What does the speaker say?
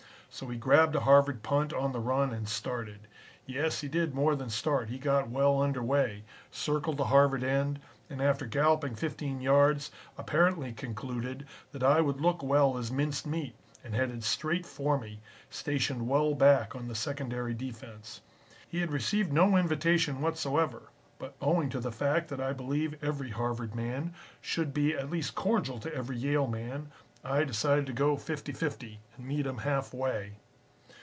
So he grabbed a Harvard punt on the run and started. Yes, he did more than start, he got well under way, circled the Harvard end and after galloping fifteen yards, apparently concluded that I would look well as minced meat, and headed straight for me, stationed well back on the secondary defense. He had received no invitation whatsoever, but owing to the fact that I believe every Harvard man should be at least cordial to every Yale man, I decided to go 50 50 and meet him half way.